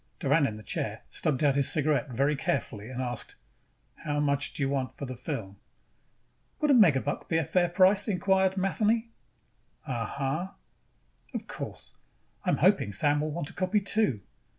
Doran in the chair stubbed out his cigarette, very carefully, and asked, "How much do you want for that film?" "Would a megabuck be a fair price?" inquired Matheny. "Uh ... huh." "Of course, I am hoping Sam will want a copy too."